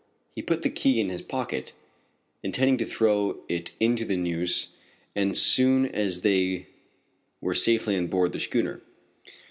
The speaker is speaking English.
He put the key in his pocket, intending to throw it into the Neuse as soon as they were safely on board the schooner.